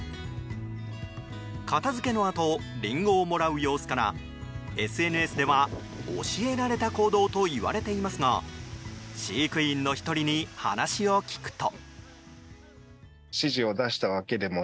片付けのあとリンゴをもらう様子からＳＮＳでは、教えられた行動といわれていますが飼育員の１人に話を聞くと。